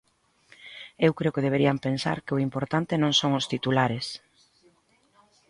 Eu creo que deberían pensar que o importante non son os titulares.